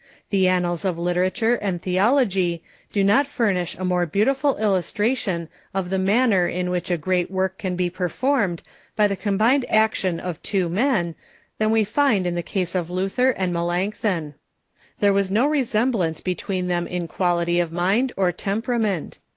The annals of literature and theology do not furnish a more beautiful illus tration of the manner in which a great work can be performed by the combined action of two men than we find in the case of Luther and Melanchthon. There was no resemblance be tween them in quality of mind or temperament.